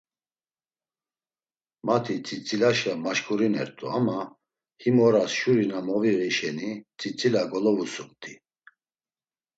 Mati tzitzilaşe maşǩurinert̆u ama him oras şuri na moviği şeni tzitzila golovusumt̆i.